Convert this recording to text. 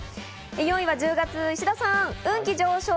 ４位は１０月、石田さん。